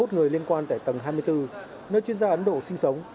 bốn mươi một người liên quan tại tầng hai mươi bốn nơi chuyên gia ấn độ sinh sống